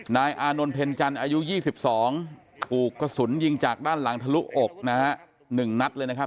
อานนท์เพ็ญจันทร์อายุ๒๒ถูกกระสุนยิงจากด้านหลังทะลุอกนะฮะ๑นัดเลยนะครับ